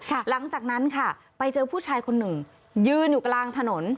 หลังจากนั้นค่ะไปเจอผู้ชายคนหนึ่งยืนอยู่กลางถนน